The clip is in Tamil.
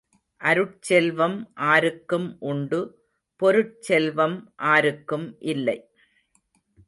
அருட்செல்வம் ஆருக்கும் உண்டு பொருட் செல்வம் ஆருக்கும் இல்லை.